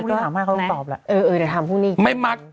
เออเดี๋ยวถามผู้นี้